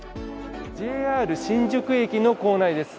ＪＲ新宿駅の構内です。